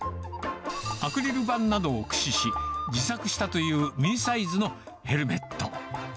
アクリル板などを駆使し、自作したというミニサイズのヘルメット。